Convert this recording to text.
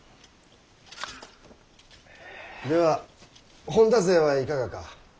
では本多勢はいかがか？